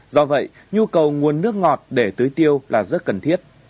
do vậy nhu cầu nguồn nước ngọt để tưới tiêu là rất cần thiết